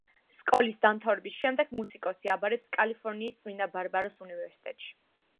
სკოლის დამთავრების შემდეგ მუსიკოსი აბარებს კალიფორნიის წმინდა ბარბარას უნივერსიტეტში.